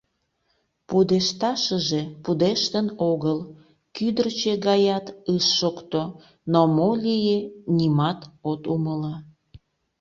Пудешташыже — пудештын огыл, кӱдырчӧ гаят ыш шокто, но мо лие — нимат от умыло.